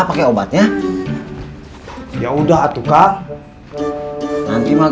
pakai obatnya ya udah tuh kak nanti mah